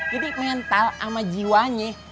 jadi mental sama jiwanya